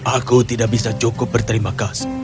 aku tidak bisa cukup berterima kasih